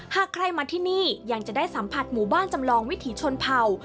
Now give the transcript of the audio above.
หากใครมาที่นี่ยังจะได้สัมผัสหมู่บ้านจำลองวิถีชนเผ่า